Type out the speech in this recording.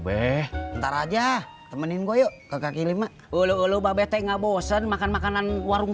be ntar aja temenin gua yuk ke kk lima ulu ulu babete nggak bosen makan makanan warung